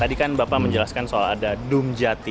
tadi kan bapak menjelaskan soal ada dumjati